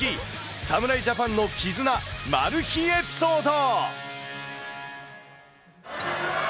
侍ジャパンの絆、マル秘エピソード。